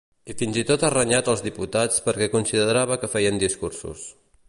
I fins i tot ha renyat els diputats perquè considerava que feien discursos.